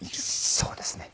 そうですね。